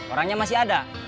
orangnya masih ada